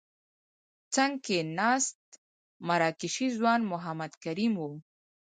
څنګ کې ناست مراکشي ځوان محمد کریم وو.